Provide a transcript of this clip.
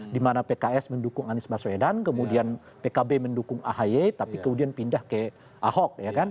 dimana pks mendukung anies baswedan kemudian pkb mendukung ahy tapi kemudian pindah ke ahok